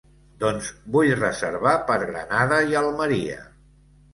Doncs vull reservar per Granada i Almeria.